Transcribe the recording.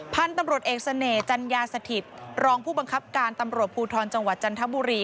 พันธุ์ตำรวจเอกเสน่หจัญญาสถิตรองผู้บังคับการตำรวจภูทรจังหวัดจันทบุรี